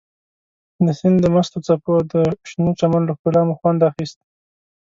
د سیند د مستو څپو او د شنه چمن له ښکلا مو خوند اخیست.